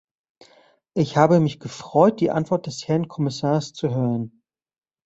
Ich habe mich gefreut, die Antwort des Herrn Kommissars zu hören.